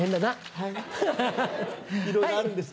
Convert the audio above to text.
はいいろいろあるんです。